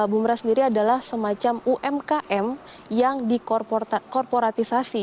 bumra sendiri adalah semacam umkm yang dikorporatisasi